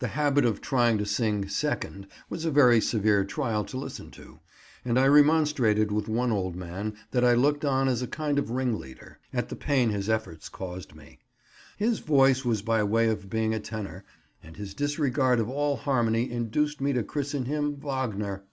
The habit of trying to sing "second" was a very severe trial to listen to, and I remonstrated with one old man that I looked on as a kind of ringleader, at the pain his efforts caused me. His voice was by way of being a tenor, and his disregard of all harmony induced me to christen him "Wagner."